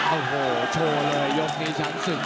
โอ้โหโชว์เลยยกในชั้นสึก